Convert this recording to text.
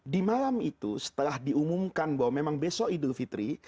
di malam itu setelah diumumkan bahwa memang besok idul fitri